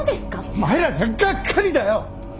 お前らにはがっかりだよ！